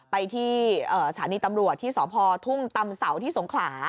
ไปที่สถานีตำรวจที่สพทุ่งตำเสาที่สงขลา